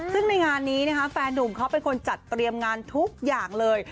ซึ่งในงานนี้นะคะแฟนนุ่มเขาเป็นคนจัดเตรียมงานทุกอย่างเลย